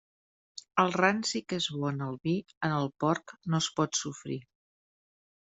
El ranci que és bo en el vi, en el porc no es pot sofrir.